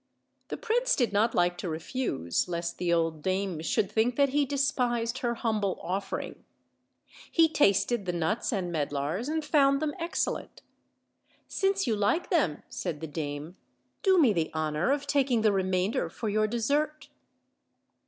The prince did not like to refuse, lest the old dame should think that he despised her humble offering. He tasted the nuts and medlars, and found them excellent. "Since you like them," said the dame, "do me the honor of taking the remainder for your dessert."